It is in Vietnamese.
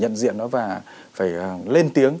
phải hiện diện nó và phải lên tiếng